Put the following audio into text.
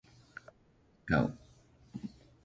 I must go.